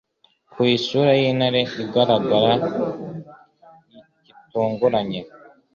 ku isura y'intare igaragara gitunguranye